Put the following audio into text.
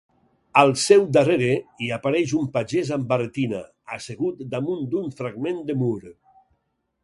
Al seu darrere hi apareix un pagès amb barretina, assegut damunt d'un fragment de mur.